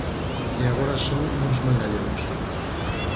E agora son uns mangallóns.